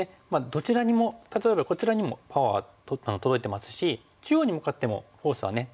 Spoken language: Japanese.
どちらにも例えばこちらにもパワー届いてますし中央に向かってもフォースは届いてますけれども。